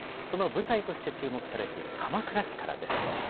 その舞台として注目されている鎌倉市からです。